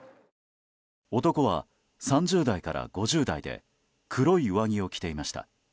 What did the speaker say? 男は３０代から５０代で黒い上着を着ていました。